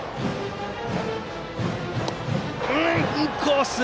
インコース。